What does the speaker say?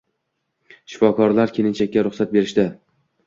Shifokorlar kelinchakka ruxsat berishdi